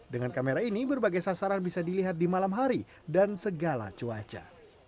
dengan kamera ini berbagai sasaran bisa dilihat di malam hari dan segala cuaca